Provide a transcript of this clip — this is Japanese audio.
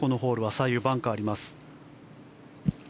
左右、バンカーあります。